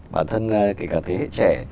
bản thân kể cả thế hệ trẻ